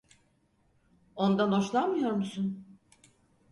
Ondan hoşlanmıyor musun?